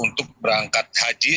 untuk berangkat haji